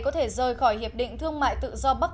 có thể rời khỏi hiệp định thương mại tự do bắc mỹ nafta